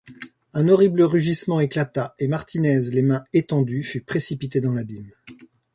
Un horrible rugissement éclata, et Martinez, les mains étendues, fut précipité dans l’abîme